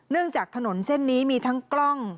จากถนนเส้นนี้มีทั้งกล้อง